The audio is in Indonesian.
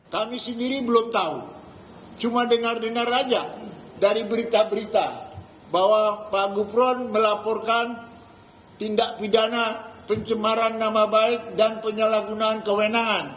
kami sendiri belum tahu cuma dengar dengar aja dari berita berita bahwa pak gufron melaporkan tindak pidana pencemaran nama baik dan penyalahgunaan kewenangan